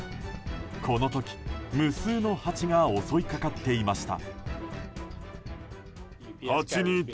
この時、無数のハチが襲いかかっていました。